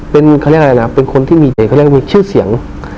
เป็นเขาเรียกอะไรนะเป็นคนที่มีเด็กเขาเรียกว่ามีชื่อเสียง